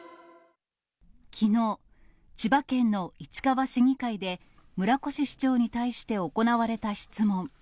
きのう、千葉県の市川市議会で、村越市長に対して行われた質問。